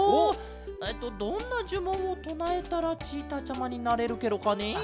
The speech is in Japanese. どんなじゅもんをとなえたらチーターちゃまになれるケロかね？